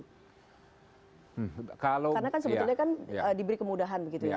karena kan sebetulnya kan diberi kemudahan gitu ya